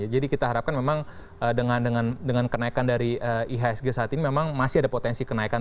jadi kita harapkan memang dengan kenaikan dari ihsg saat ini memang masih ada potensi kenaikan